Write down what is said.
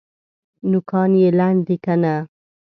نوکان یې لنډ دي که نه؟